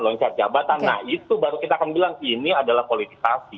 loncat jabatan nah itu baru kita akan bilang ini adalah politisasi